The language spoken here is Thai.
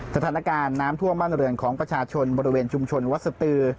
สถานการณ์น้ำท่วมบ้านเรือนของประชาชนบริเวณชุมชนวัดสตือ